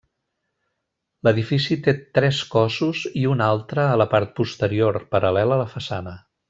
L'edifici té tres cossos i un altre a la part posterior, paral·lel a la façana.